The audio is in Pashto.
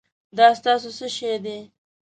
دا ستاسو څه شی دی؟